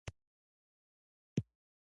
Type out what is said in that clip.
جمهوریت عصر په پایله کې رامنځته شوې وې.